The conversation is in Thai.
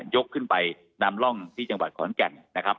ยกขึ้นไปนำร่องที่จังหวัดขอนกัญ